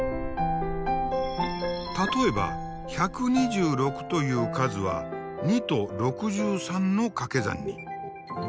例えば１２６という数は２と６３のかけ算に。